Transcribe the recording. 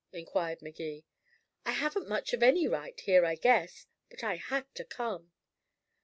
inquired Magee. "I haven't much of any right here, I guess. But I had to come."